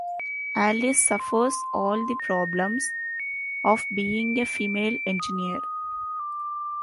Alice suffers all the problems of being a female engineer.